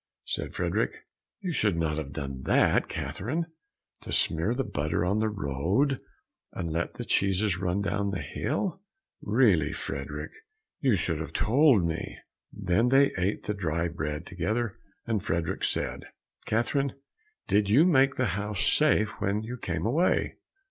Said Frederick, "You should not have done that, Catherine, to smear the butter on the road, and let the cheeses run down the hill!" "Really, Frederick, you should have told me." Then they ate the dry bread together, and Frederick said, "Catherine, did you make the house safe when you came away?"